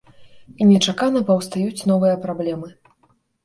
І нечакана паўстаюць новыя праблемы.